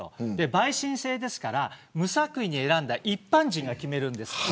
陪審制なので無作為に選んだ一般人が決めるんです。